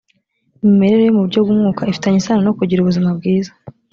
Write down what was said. imimerere yo mu buryo bw umwuka ifitanye isano no kugira ubuzima bwiza